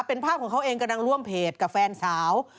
เป็นภาพของเขาเองกำลังร่วมเพจกับแฟนสาว